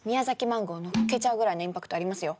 マンゴーのっけちゃうぐらいのインパクトありますよ。